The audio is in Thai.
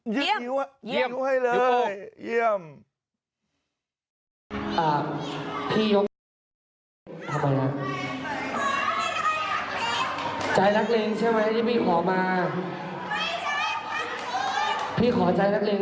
ยืดนิ้วให้เลย